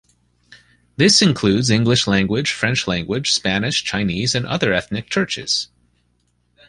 This includes English language, French language, Spanish, Chinese and other ethnic churches.